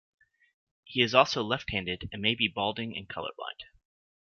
He is also left-handed and may be balding and colorblind.